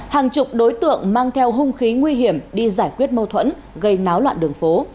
hàng chục đối tượng mang theo hung khí nguy hiểm đi giải quyết mâu thuẫn gây náo loạn đường phố